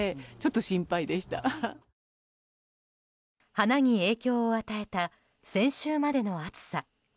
花に影響を与えた先週までの暑さ。